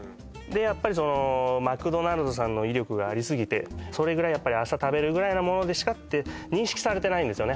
やっぱりそのマクドナルドさんの威力がありすぎてそれぐらい朝食べるぐらいなものでしかって認識されてないんですよね